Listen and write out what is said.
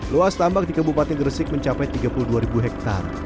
luas tambak di kabupaten gresik mencapai tiga puluh dua ribu hektare